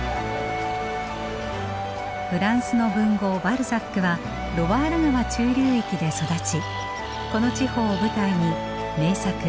フランスの文豪バルザックはロワール川中流域で育ちこの地方を舞台に名作